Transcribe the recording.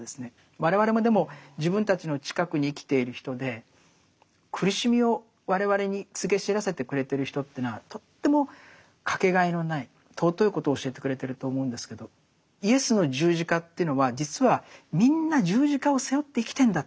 我々もでも自分たちの近くに生きている人で苦しみを我々に告げ知らせてくれてる人というのはとっても掛けがえのない尊いことを教えてくれてると思うんですけどイエスの十字架というのは実はそれぞれが。